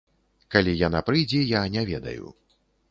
Калі яна прыйдзе, я не ведаю.